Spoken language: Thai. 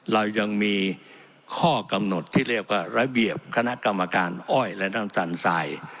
เรายังมีข้อกำหนดที่เรียกว่าระเบียบคณะกรรมการอ้อยและน้ำตาลทราย